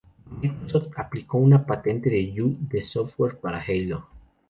Microsoft aplicó una patente de Yu de software para Halo.